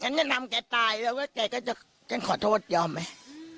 ฉันจะทำแกตายแล้วว่าแกก็จะฉันขอโทษยอมไหม